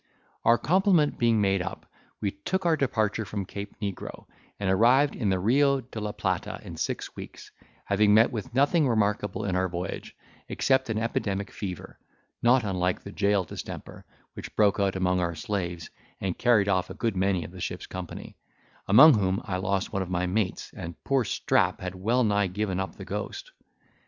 Our complement being made up, we took our departure from Cape Negroe, and arrived in the Rio de la Plata in six weeks, having met with nothing remarkable in our voyage, except an epidemic fever, not unlike the jail distemper, which broke out among our slaves and carried off a good many of the ship's company; among whom I lost one of my mates, and poor Strap had well nigh given up the ghost.